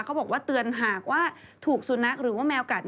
เขาบอกว่าเตือนหากว่าถูกสุนัขหรือว่าแมวกัด